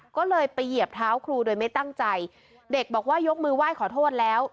ก็เลยไปเหยียบเท้าครูโดยไม่ตั้งใจเด็กบอกว่ายกมือไหว้ขอโทษแล้ว